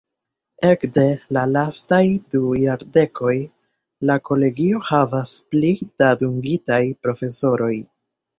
Ekde la lastaj du jardekoj, la kolegio havas pli da dungitaj profesoroj.